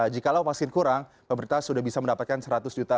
jikalau vaksin kurang pemerintah sudah bisa mendapatkan seratus juta